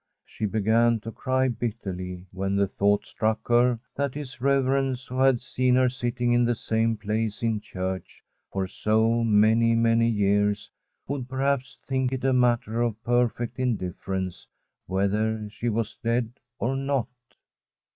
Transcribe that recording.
She began to cry bitterly, when the thought struck her that his reverence, who had seen her sitting in the same place in church for so many, many years, would perhaps think it a [ 222] Old AGNETE matter of perfect indifference whether she was dead or not.